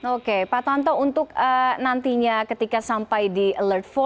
oke pak tonto untuk nantinya ketika sampai di alert empat